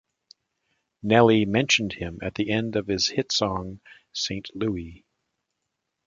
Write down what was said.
Nelly mentioned him at the end of his hit song "Saint Louie".